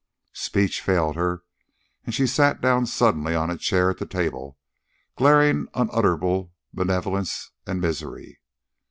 Speech failed her, and she sat down suddenly on a chair at the table, glaring unutterable malevolence and misery.